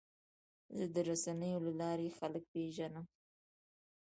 زه د رسنیو له لارې خلک پیژنم.